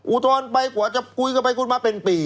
อุทธรณ์ไปกว่าจะคุยกันไปคุยมาเป็นปี